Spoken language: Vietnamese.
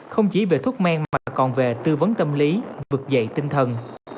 không chỉ về thuốc men mà còn về tư vấn tâm lý vực dậy tinh thần